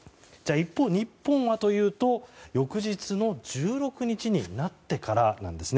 一方、日本はというと翌日の１６日になってからなんです。